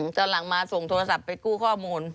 ตอนหลังมาส่งโทรศัพท์ไปกู้ข้อมูล